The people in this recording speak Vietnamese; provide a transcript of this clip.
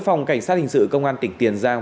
phòng cảnh sát hình sự công an tỉnh tiền giang